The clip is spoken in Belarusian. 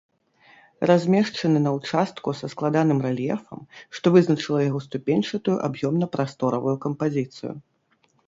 Размешчаны на ўчастку са складаным рэльефам, што вызначыла яго ступеньчатую аб'ёмна-прасторавую кампазіцыю.